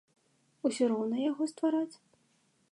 Усё роўна яго ствараць?